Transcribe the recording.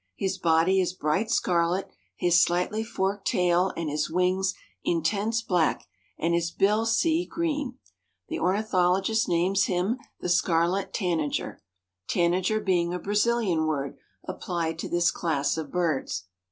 His body is bright scarlet, his slightly forked tail and his wings intense black and his bill sea green. The ornithologist names him the scarlet tanager—tanager being a Brazilian word applied to this class of birds.